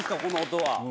この音は。